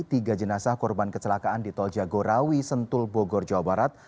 tiga jenazah korban kecelakaan di tol jagorawi sentul bogor jawa barat